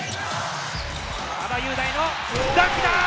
馬場雄大のダンクだ！